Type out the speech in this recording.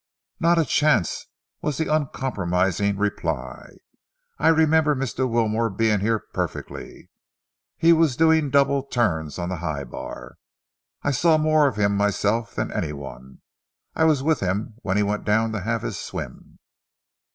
"Not a chance," was the uncompromising reply. "I remember Mr. Wilmore being here perfectly. He was doing double turns on the high bar. I saw more of him myself than any one. I was with him when he went down to have his swim."